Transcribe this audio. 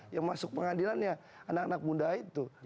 yang masuk pengadilannya anak anak muda itu